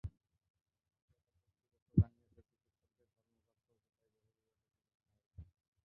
হাসপাতাল কর্তৃপক্ষ জানিয়েছে, চিকিৎসকদের ধর্মঘট চলছে তাই বহির্বিভাগে চিকিৎসা হবে না।